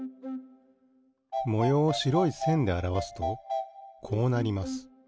もようをしろいせんであらわすとこうなります。